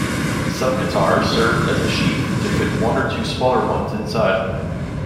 Some katar served as a sheath to fit one or two smaller ones inside.